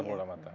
kanker bola mata